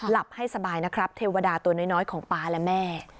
หลับให้สบายนะครับเทวดาตัวน้อยของป๊าและแม่